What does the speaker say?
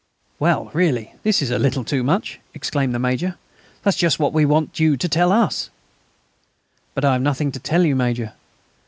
"Well, really, this is a little too much!" exclaimed the Major; "that's just what we want you to tell us!" "But I have nothing to tell you, Major.